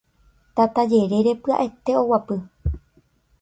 tata jerére pya'ete oguapy